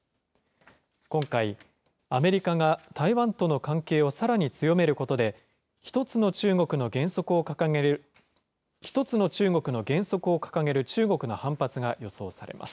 今回、アメリカが台湾との関係をさらに強めることで、一つの中国の原則を掲げる中国の反発が予想されます。